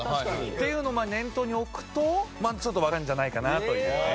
っていうのを念頭に置くとまあちょっとわかるんじゃないかなというね。